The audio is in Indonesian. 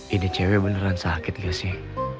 ini cewek beneran sakit gak sih